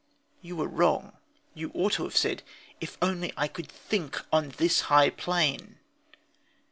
You were wrong. You ought to have said: "If only I could think on this high plane."